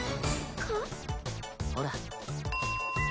ほら。